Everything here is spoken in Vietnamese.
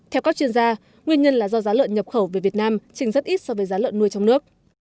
theo các chuyên gia nguyên nhân là do giá lợn nhập khẩu về việt nam trình rất ít so với giá lợn nuôi trong nước